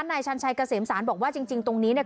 นายชันชัยเกษมสารบอกว่าจริงตรงนี้เนี่ย